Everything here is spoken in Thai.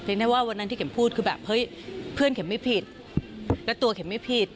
ได้ว่าวันนั้นที่เข็มพูดคือแบบเฮ้ยเพื่อนเข็มไม่ผิดและตัวเข็มไม่ผิด